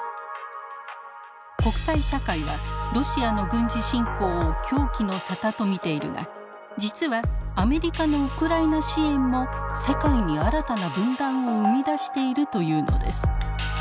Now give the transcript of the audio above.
国際社会はロシアの軍事侵攻を狂気の沙汰と見ているが実はアメリカのウクライナ支援も世界に新たな分断を生み出しているというのです。